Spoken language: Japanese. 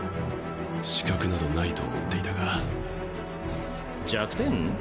死角などないと思っていたが弱点？